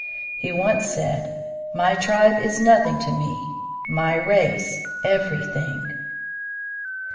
He once said: "My tribe is nothing to me; my race, everything."